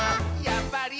やっぱり！」